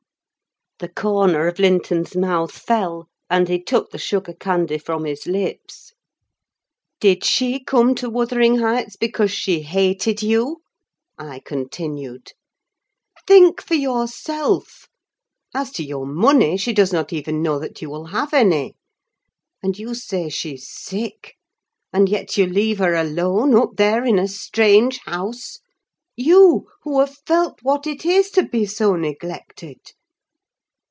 The corner of Linton's mouth fell, and he took the sugar candy from his lips. "Did she come to Wuthering Heights because she hated you?" I continued. "Think for yourself! As to your money, she does not even know that you will have any. And you say she's sick; and yet you leave her alone, up there in a strange house! You who have felt what it is to be so neglected!